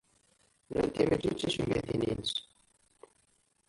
Nutenti mačči d ticengatin-ines.